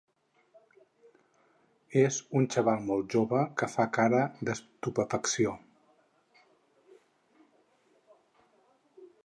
És un xaval molt jove que fa cara d'estupefacció.